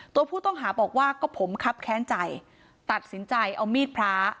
ตัวผู้ต้องหาบอกว่าก็ผมครับแค้นใจตัดสินใจเอามีดพระ